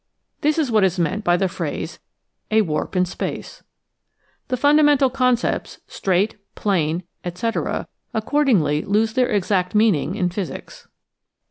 This is what is meant by the phrase " a warp in space." The fundamental concepts " straight," " plane," etc., accord ingly lose their exact meaning in physics.